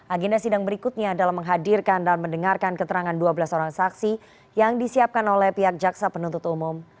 agenda sidang berikutnya adalah menghadirkan dan mendengarkan keterangan dua belas orang saksi yang disiapkan oleh pihak jaksa penuntut umum